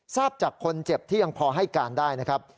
ทราบจากคนเจ็บที่ยังพอให้การได้นะครับ